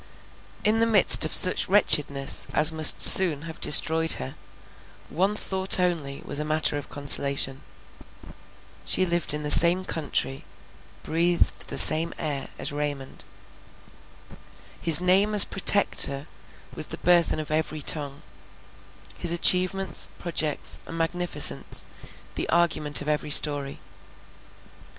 In the midst of such wretchedness as must soon have destroyed her, one thought only was matter of consolation. She lived in the same country, breathed the same air as Raymond. His name as Protector was the burthen of every tongue; his achievements, projects, and magnificence, the argument of every story.